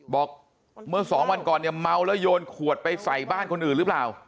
บอกเมื่อสองวันก่อนเนี่ยเมาแล้วโยนขวดไปใส่บ้านคนอื่นหรือเปล่า